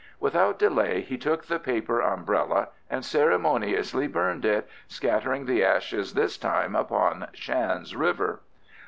Without delay he took the paper umbrella and ceremoniously burned it, scattering the ashes this time upon Shan's river.